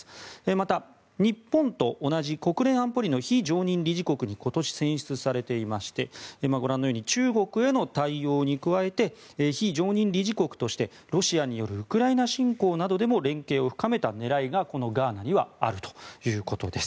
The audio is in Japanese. また、日本と同じ国連安保理の非常任理事国に今年選出されていまして今、ご覧のように中国への対応に加えて非常任理事国としてロシアによるウクライナ侵攻などでも連携を深めた狙いがこのガーナにはあるということです。